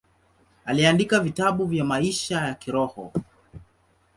Aliandika vitabu vya maisha ya kiroho.